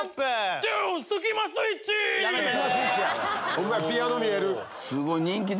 ホンマやピアノ見える。